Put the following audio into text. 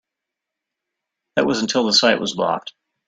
That was until the site was blocked.